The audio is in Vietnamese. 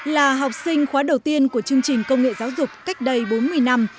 là học sinh khóa đầu tiên của chương trình công nghệ giáo dục cách đây bốn mươi năm